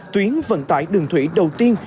tuyến vận tải đường thủy đầu tiên